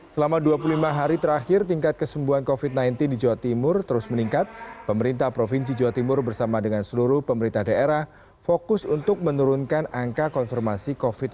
selama dua puluh lima hari terakhir tingkat kesembuhan covid sembilan belas di jawa timur terus meningkat pemerintah provinsi jawa timur bersama dengan seluruh pemerintah daerah fokus untuk menurunkan angka konfirmasi covid sembilan belas